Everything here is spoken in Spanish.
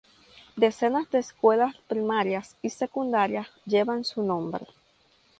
Decenas de escuelas primarias y secundarias llevan su nombre.